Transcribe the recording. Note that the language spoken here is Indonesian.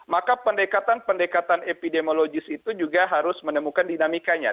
maka pendekatan pendekatan epidemiologis itu juga harus menemukan dinamikanya